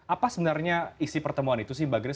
apa sebenarnya isi pertemuan itu sih mbak grace